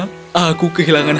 apakah dia akan menolongku juga